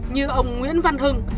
như ông nguyễn văn hừng